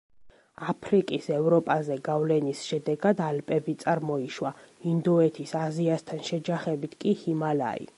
აფრიკის ევროპაზე გავლენის შედეგად ალპები წარმოიშვა, ინდოეთის აზიასთან შეჯახებით კი ჰიმალაი.